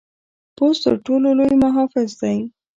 پوست تر ټر ټولو لوی محافظ دی.